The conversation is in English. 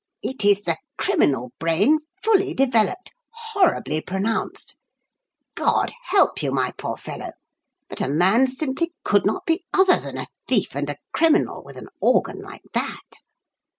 "It is the criminal brain fully developed, horribly pronounced. God help you, my poor fellow; but a man simply could not be other than a thief and a criminal with an organ like that.